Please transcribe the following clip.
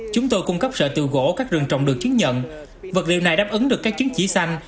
chúng tôi cung cấp sợi từ gỗ các rừng trồng được chứng nhận vật liệu này đáp ứng được các chứng chỉ xanh